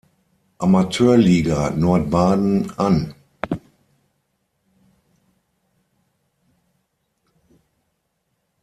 Amateurliga Nordbaden an.